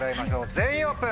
全員オープン！